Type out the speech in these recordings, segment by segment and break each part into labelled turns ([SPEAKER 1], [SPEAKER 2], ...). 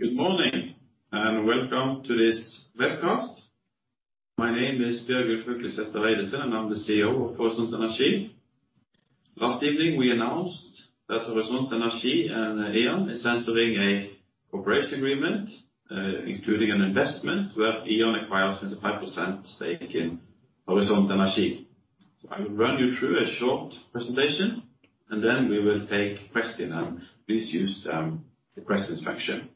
[SPEAKER 1] Good morning and welcome to this webcast. My name is Bjørgulf Haukelidsæter Eidesen, and I'm the CEO of Horisont Energi. Last evening, we announced that Horisont Energi and E.ON is entering a cooperation agreement, including an investment where E.ON acquires 25% stake in Horisont Energi. I will run you through a short presentation, and then we will take questions and please use the questions function.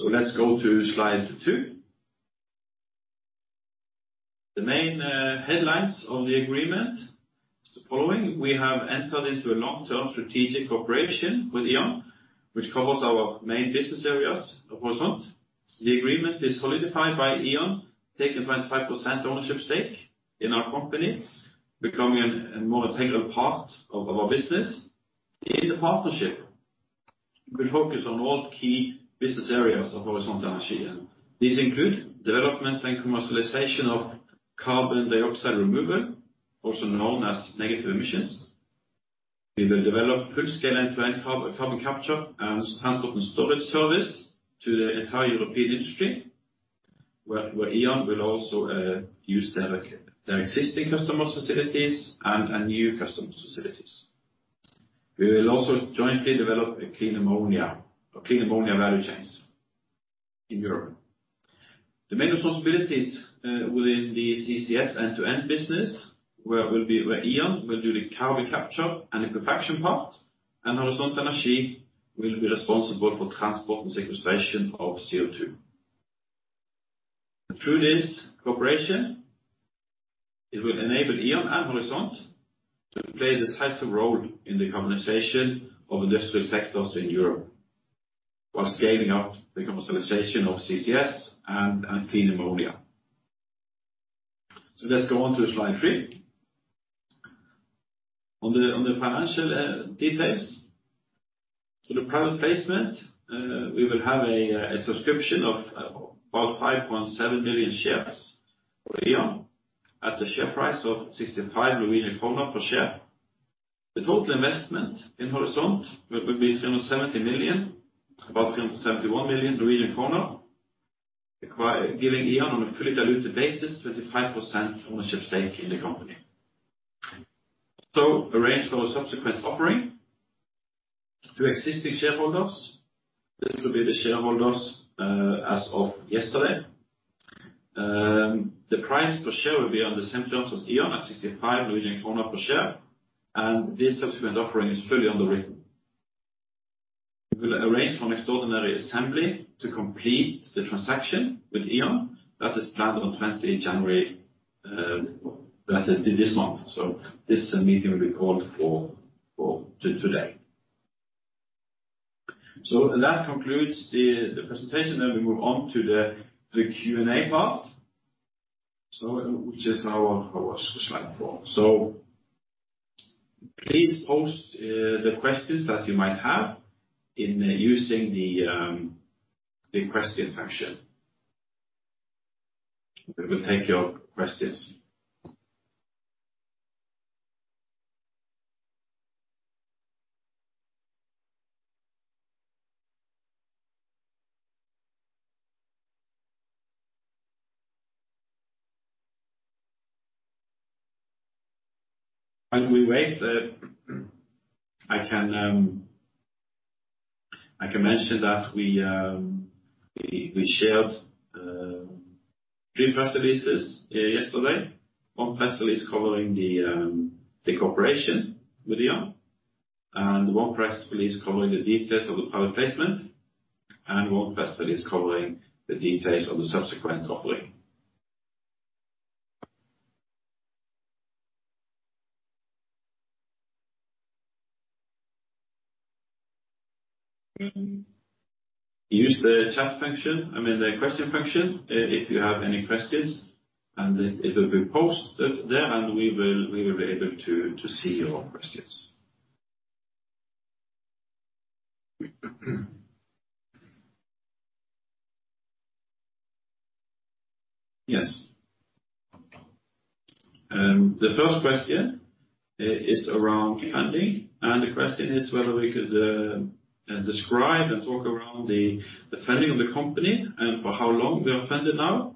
[SPEAKER 1] Let's go to slide two. The main headlines of the agreement is the following: We have entered into a long-term strategic cooperation with E.ON, which covers our main business areas of Horisont. The agreement is solidified by E.ON taking 25% ownership stake in our company, becoming a more integral part of our business. In the partnership, we focus on all key business areas of Horisont Energi, and these include development and commercialization of carbon dioxide removal, also known as negative emissions. We will develop full-scale end-to-end carbon capture and transport and storage service to the entire European industry, where EON will also use their existing customers' facilities and new customers' facilities. We will also jointly develop a clean ammonia value chains in Europe. The main responsibilities within the CCS end-to-end business, EON will do the carbon capture and the injection part, and Horisont Energi will be responsible for transport and sequestration of CO2. Through this cooperation, it will enable EON and Horisont to play a decisive role in the decarbonization of industrial sectors in Europe, while scaling up the commercialization of CCS and clean ammonia. Let's go on to slide three. On the financial details, the private placement, we will have a subscription of about 5.7 million shares for EON at the share price of 65 Norwegian kroner per share. The total investment in Horisont will be 370 million, about 371 million Norwegian kroner giving EON on a fully diluted basis 25% ownership stake in the company. Arrange for a subsequent offering to existing shareholders. This will be the shareholders as of yesterday. The price per share will be on the same terms as EON at 65 Norwegian krone per share, and this subsequent offering is fully underwritten. We will arrange for an extraordinary assembly to complete the transaction with EON. That is planned on 20th January, that's it, this month. This meeting will be called for today. That concludes the presentation, and we move on to the Q&A part. Which is our slide four. Please post the questions that you might have by using the question function. We will take your questions. While we wait, I can mention that we shared three press releases yesterday. One press release covering the cooperation with EON, and one press release covering the details of the private placement, and one press release covering the details of the subsequent offering. Use the chat function, I mean, the question function, if you have any questions, and it will be posted there, and we will be able to see your questions. Yes. The first question is about funding, and the question is whether we could describe and talk about the funding of the company and for how long we are funded now?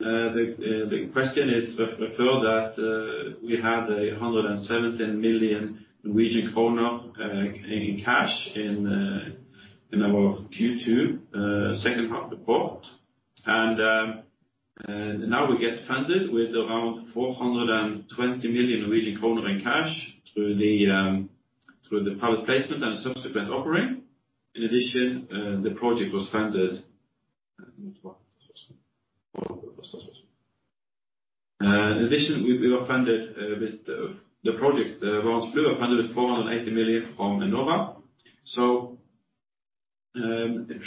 [SPEAKER 1] The question refers to that we had 117 million Norwegian kroner in cash in our Q2 second half report. Now we get funded with around 420 million Norwegian kroner in cash through the private placement and subsequent offering. In addition, the project was funded with 480 million from Enova.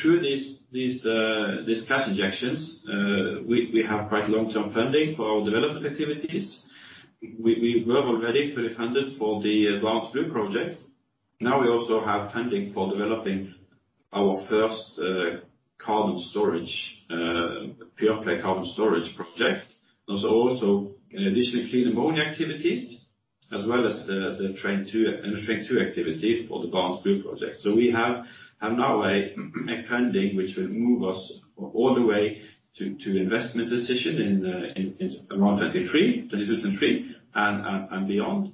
[SPEAKER 1] Through these cash injections, we have quite long-term funding for our development activities. We were already fully funded for the Barents Blue project. Now we also have funding for developing our first carbon storage pure play carbon storage project. There's also, in addition, clean ammonia activities. As well as the Train 2 activity for the Barents Blue project. We have now a trajectory which will move us all the way to investment decision in around 2022-2023 and beyond,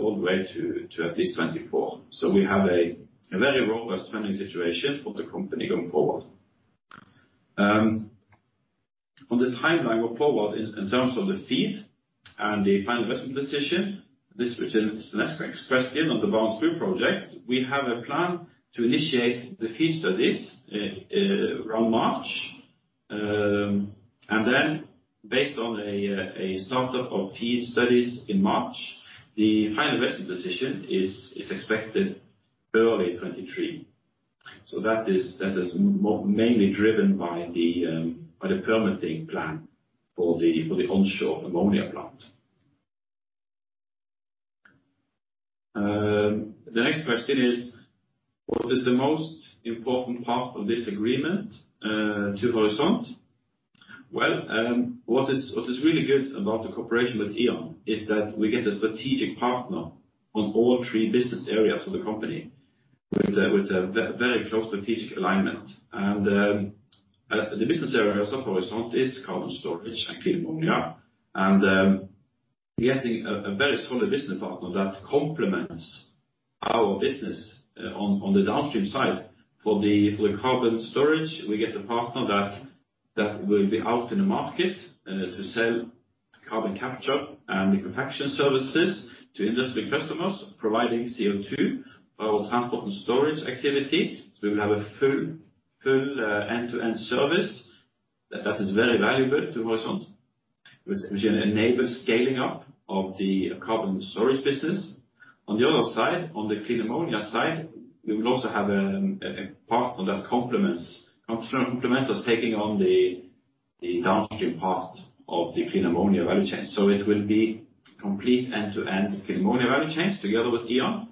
[SPEAKER 1] all the way to at least 2024. We have a very robust funding situation for the company going forward. On the timeline going forward in terms of the FEED and the final investment decision, which is the next question on the Barents Blue project, we have a plan to initiate the FEED studies around March. Based on a start-up of feed studies in March, the final investment decision is expected early 2023. That is mainly driven by the permitting plan for the onshore ammonia plant. The next question is, what is the most important part of this agreement to Horisont? What is really good about the cooperation with EON is that we get a strategic partner on all three business areas of the company with a very close strategic alignment. The business areas of Horisont is carbon storage and clean ammonia. Getting a very solid business partner that complements our business on the downstream side. For the carbon storage, we get a partner that will be out in the market to sell carbon capture and liquefaction services to industry customers, providing CO2 for our transport and storage activity. We will have a full end-to-end service that is very valuable to Horisont, which enables scaling up of the carbon storage business. On the other side, on the clean ammonia side, we will also have a partner that complements us, taking on the downstream part of the clean ammonia value chain. It will be complete end-to-end clean ammonia value chains together with EON.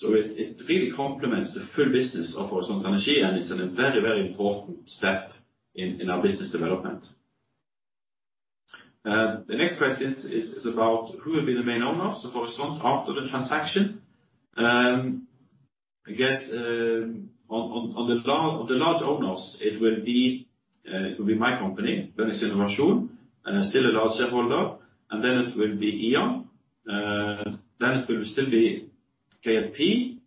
[SPEAKER 1] It really complements the full business of Horisont Energi, and it's a very important step in our business development. The next question is about who will be the main owners of Horisont after the transaction? I guess on the large owners, it will be my company, Barents Innovation, still a large shareholder, and then it will be EON. It will still be KLP,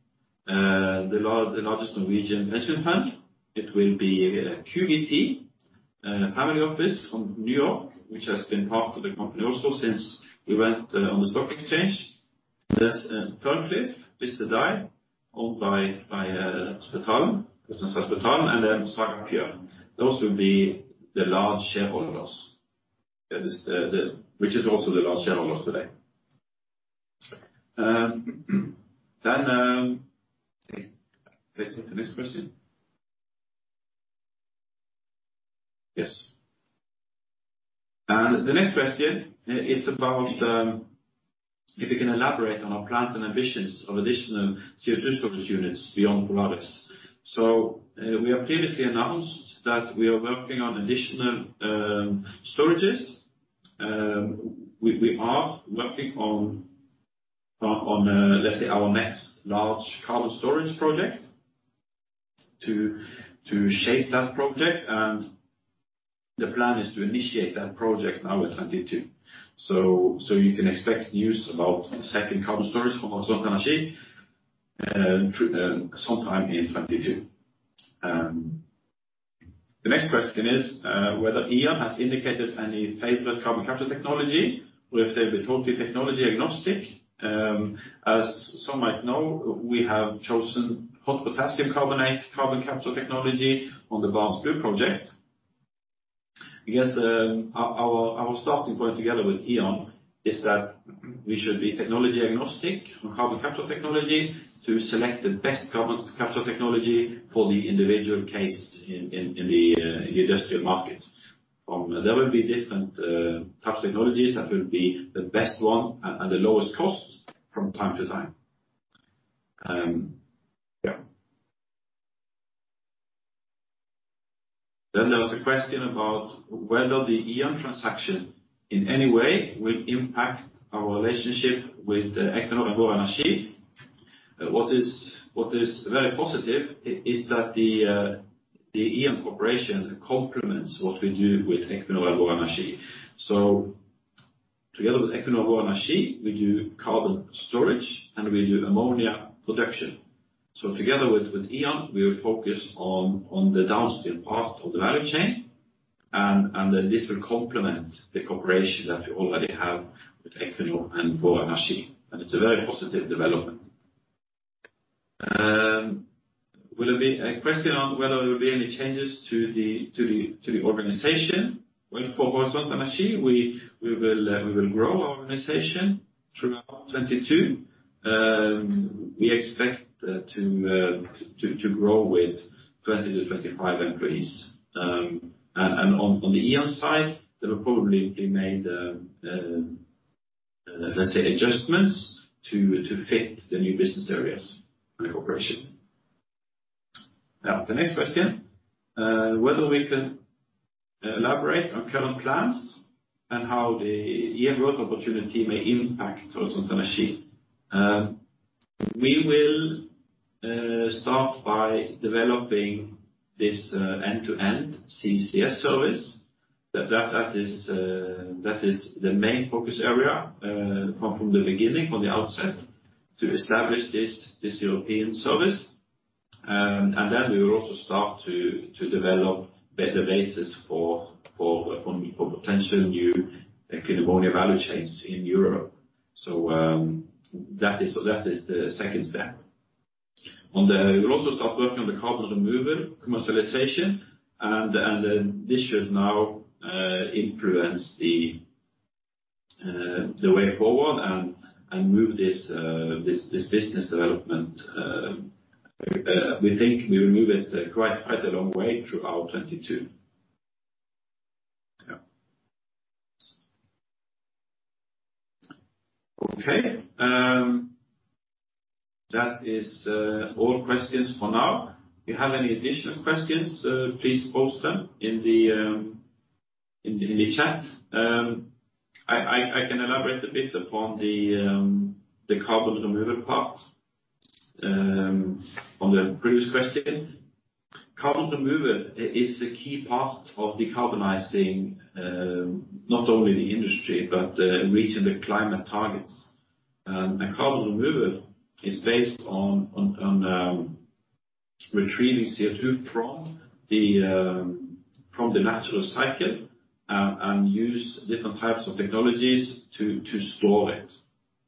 [SPEAKER 1] the largest Norwegian pension fund. It will be QVT, family office from New York, which has been part of the company also since we went on the stock exchange. There's Pearl Cliff, which today owned by Hospitalet, Ryfylke Hospitalet, and then Sval Energi. Those will be the large shareholders. That is, which is also the large shareholders today. Let's take the next question. Yes. The next question is about if you can elaborate on our plans and ambitions of additional CO2 storage units beyond Polaris. We have previously announced that we are working on additional storages. We are working on let's say our next large carbon storage project to shape that project. The plan is to initiate that project now in 2022. You can expect news about second carbon storage from Horisont Energi sometime in 2022. The next question is whether EON has indicated any favorite carbon capture technology or if they'll be totally technology agnostic. As some might know, we have chosen hot potassium carbonate carbon capture technology on the Barents Blue project. I guess, our starting point together with EON is that we should be technology agnostic on carbon capture technology to select the best carbon capture technology for the individual case in the industrial market. There will be different types of technologies that will be the best one at the lowest cost from time to time. Yeah. There was a question about whether the EON transaction in any way will impact our relationship with Equinor and Vår Energi. What is very positive is that the EON cooperation complements what we do with Equinor and Vår Energi. Together with Equinor and Vår Energi, we do carbon storage and we do ammonia production. Together with EON, we will focus on the downstream part of the value chain and this will complement the cooperation that we already have with Equinor and Vår Energi. It's a very positive development. A question on whether there will be any changes to the organization. Well, for Horisont Energi, we will grow our organization throughout 2022. We expect to grow with 20-25 employees and on the EON side, there will probably be made, let's say, adjustments to fit the new business areas in the corporation. Now, the next question whether we can elaborate on current plans and how the year growth opportunity may impact Horisont Energi. We will start by developing this end-to-end CCS service. That is the main focus area from the beginning, from the outset, to establish this European service. We will also start to develop better basis for potential new ammonia value chains in Europe. That is the second step. We'll also start working on the carbon removal commercialization, and then this should now influence the way forward and move this business development. We think we will move it quite a long way through 2022. Yeah. Okay, that is all questions for now. If you have any additional questions, please post them in the chat. I can elaborate a bit upon the carbon removal part on the previous question. Carbon removal is a key part of decarbonizing not only the industry, but reaching the climate targets. Carbon removal is based on retrieving CO2 from the natural cycle and use different types of technologies to store it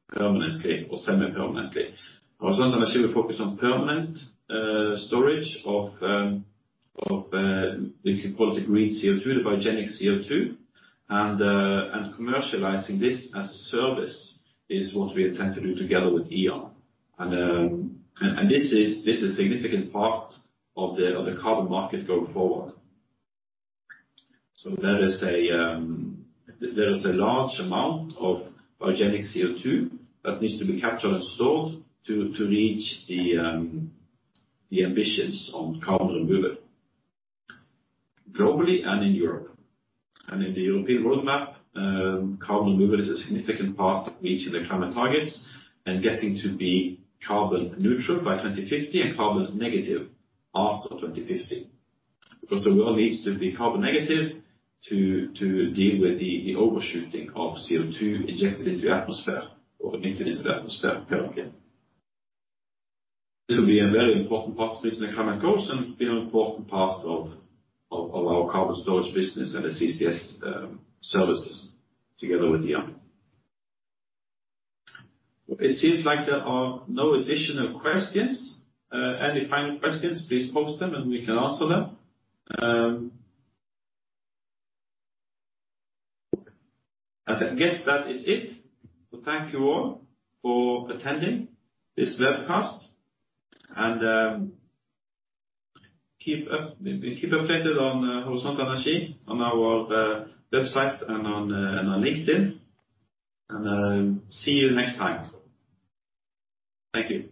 [SPEAKER 1] permanently or semi-permanently. Horisont Energi will focus on permanent storage of the quality green CO2, the biogenic CO2, and commercializing this as a service is what we intend to do together with E.ON. This is significant part of the carbon market going forward. There is a large amount of biogenic CO2 that needs to be captured and stored to reach the ambitions on carbon removal globally and in Europe. In the European roadmap, carbon removal is a significant part of reaching the climate targets and getting to be carbon neutral by 2050 and carbon negative after 2050. Because the world needs to be carbon negative to deal with the overshooting of CO2 injected into the atmosphere or emitted into the atmosphere permanently. This will be a very important part of reaching the climate goals and be an important part of our carbon storage business and the CCS services together with EON. It seems like there are no additional questions. Any final questions, please post them and we can answer them. I guess that is it. Thank you all for attending this webcast, and keep updated on Horisont Energi on our website and on LinkedIn. See you next time. Thank you.